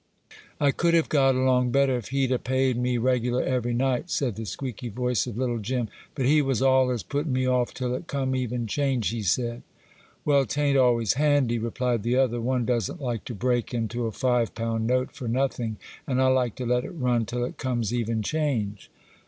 'I could 'ave got along better, if he'd 'a' paid me regular every night,' said the squeaky voice of little Jim;—'but he was allers puttin' me off till it come even change, he said.' 'Well, 't'aint always handy,' replied the other; 'one doesn't like to break into a five pound note for nothing; and I like to let it run till it comes even change.